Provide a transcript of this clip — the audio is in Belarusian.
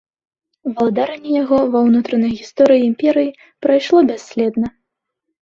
Валадаранне яго ва ўнутранай гісторыі імперыі прайшло бясследна.